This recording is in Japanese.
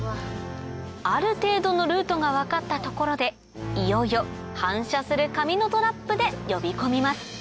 ある程度のルートが分かったところでいよいよ反射する紙のトラップで呼び込みます